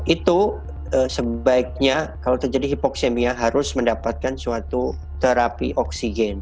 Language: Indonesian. itu sebaiknya kalau terjadi hipoksemia harus mendapatkan suatu terapi oksigen